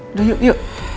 udah yuk yuk